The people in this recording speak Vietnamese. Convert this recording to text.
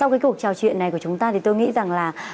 cái cuộc trò chuyện này của chúng ta thì tôi nghĩ rằng là